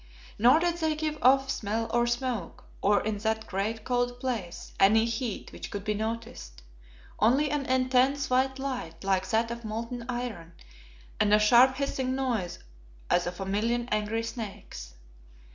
Nor did they give off smell or smoke, or in that great, cold place, any heat which could be noticed, only an intense white light like that of molten iron, and a sharp hissing noise as of a million angry snakes.